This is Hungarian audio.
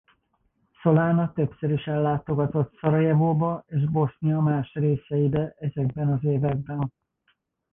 Solana többször is ellátogatott Szarajevóba és Bosznia más részeibe ezekben az években.